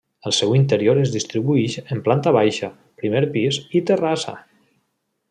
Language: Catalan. El seu interior es distribuïx en planta baixa, primer pis i terrassa.